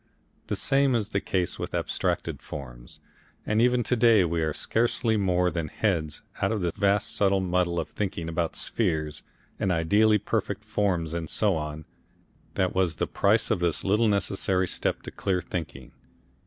The same is the case with abstracted forms, and even to day we are scarcely more than heads out of the vast subtle muddle of thinking about spheres and ideally perfect forms and so on, that was the price of this little necessary step to clear thinking.